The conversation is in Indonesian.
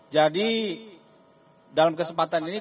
jadi dalam kesempatan ini